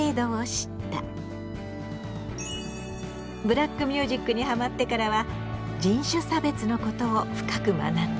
ブラックミュージックにハマってからは人種差別のことを深く学んだ。